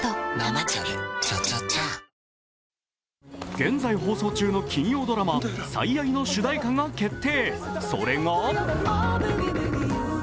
現在放送中の金曜ドラマ「最愛」の主題歌が決定。